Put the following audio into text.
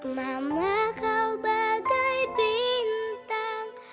mama kau bagai bintang